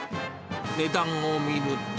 値段を見ると。